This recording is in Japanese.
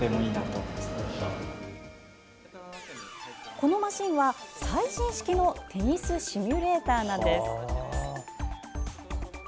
このマシンは最新式のテニスシミュレーターなんです。